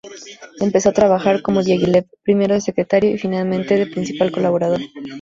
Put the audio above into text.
Empezó a trabajar con Diáguilev, primero de secretario y finalmente de principal colaborador.